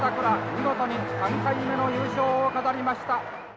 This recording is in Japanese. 見事に３回目の優勝を飾りました。